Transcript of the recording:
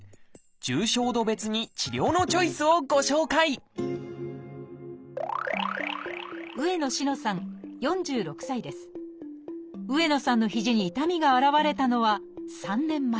重症度別に治療のチョイスをご紹介上野さんの肘に痛みが現れたのは３年前。